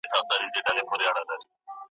ستا تر درشله خامخا راځمه .